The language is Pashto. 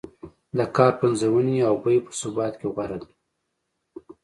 د کار پنځونې او بیو په ثبات کې غوره دی.